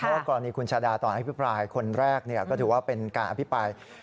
เพราะว่ากรณีคุณชาดาตอนอภิปรายคนแรกก็ถือว่าเป็นการอภิปราย